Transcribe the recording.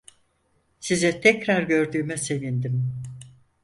Sizi tekrar gördüğüme sevindim.